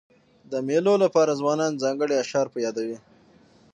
د مېلو له پاره ځوانان ځانګړي اشعار په یادوي.